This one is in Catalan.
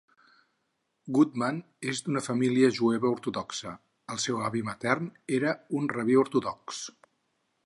Goodman és d'una família jueva ortodoxa; el seu avi matern era un rabí ortodox.